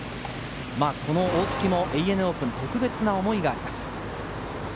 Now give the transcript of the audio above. この大槻もＡＮＡオープンに特別な思いがあります。